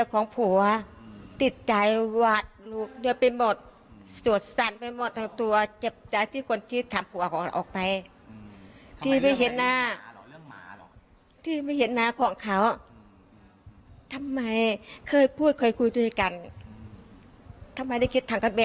ก็ไม่ได้คิดถังกันแบบอย่างนี้